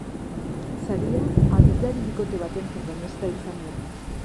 Saria abeslari bikote batentzat baino ez da izango.